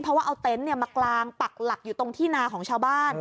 เพราะว่าเอาเต็นต์มากลางปักหลักอยู่ตรงที่นาของชาวบ้าน